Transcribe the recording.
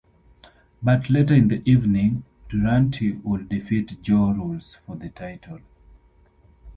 But later in the evening Durante would defeat Joe Rules for the title.